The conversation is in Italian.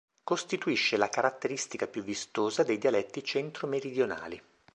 Costituisce la caratteristica più vistosa dei dialetti centro-meridionali.